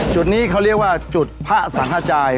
จุดนี้เขาเรียกว่าจุดพระสังหาจาย